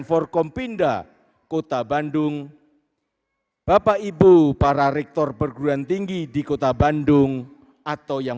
forkompinda kota bandung bapak ibu para rektor perguruan tinggi di kota bandung atau yang